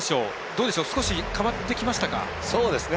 どうでしょう、少し変わってきましたか？